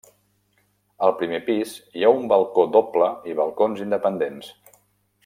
Al primer pis hi ha un balcó doble i balcons independents.